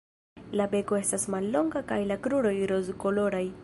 La beko estas mallonga kaj la kruroj rozkoloraj.